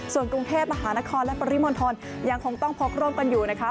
ส่วนกรุงเทพมหานครและปริมณฑลยังคงต้องพกร่มกันอยู่นะคะ